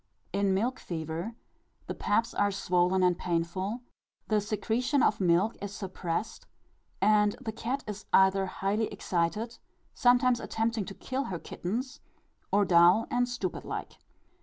In milk fever the paps are swollen and painful, the secretion of milk is suppressed, and the cat is either highly excited sometimes attempting to kill her kittens or dull and stupid like.